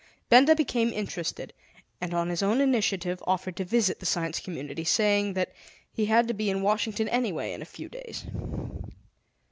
Benda became interested, and on his own initiative offered to visit the Science Community, saying that he had to be in Washington anyway in a few days.